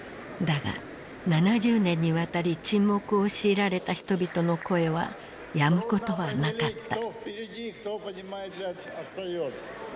だが７０年にわたり沈黙を強いられた人々の声はやむことはなかった。